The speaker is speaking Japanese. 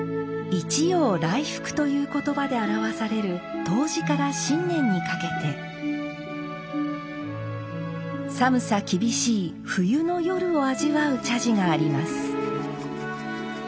「一陽来復」という言葉で表される冬至から新年にかけて寒さ厳しい冬の夜を味わう茶事があります。